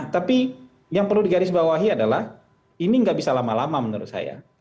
tapi yang perlu digarisbawahi adalah ini nggak bisa lama lama menurut saya